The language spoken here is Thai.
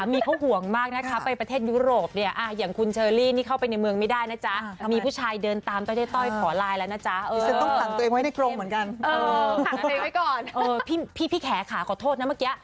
พี่แขกค่ะขอโทษนะเมื่อกี้